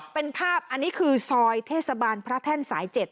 เป็นภาพอันนี้คือซอยเทศบาลพระแท่นสาย๗